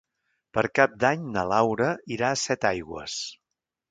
Per Cap d'Any na Laura irà a Setaigües.